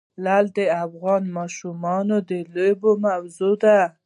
لعل د افغان ماشومانو د لوبو موضوع ده.